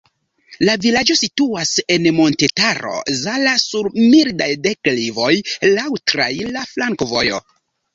La vilaĝo situas en Montetaro Zala sur mildaj deklivoj, laŭ traira flankovojo.